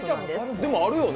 でもあるよね？